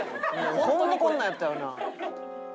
ホンマこんなんやったよな。